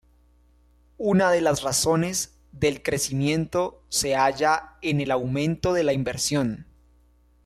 Una de las razones del crecimiento se halla en el aumento de la inversión.